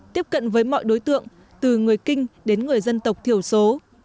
tiếp cận với mọi đối tượng từ người kinh đến người dân tộc thiểu số